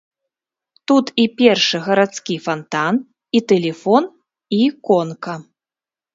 Тут і першы гарадскі фантан, і тэлефон, і конка.